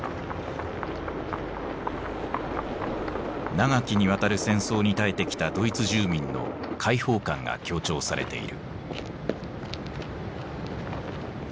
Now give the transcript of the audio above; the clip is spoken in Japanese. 長きにわたる戦争に耐えてきたドイツ住民の解放感が強調されている。